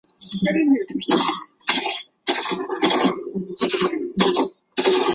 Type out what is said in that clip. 城堡区圣伯多禄圣殿上。